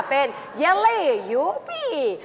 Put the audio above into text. เป็นเยลี่ยูฟี่